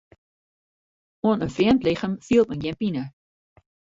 Oan in frjemd lichem fielt men gjin pine.